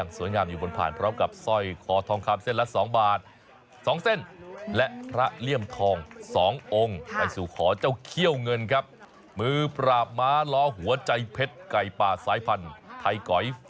สององค์ในสู่ขอเจ้าเขี้ยวเงินครับมือปราบม้าล้อหัวใจเพชรไก่ปลาสายพันธุ์ไทยก๋อย